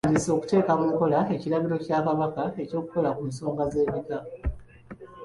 Tutandise okuteeka mu nkola ekiragiro kya Kabaka eky'okukola ku ensonga z'ebika.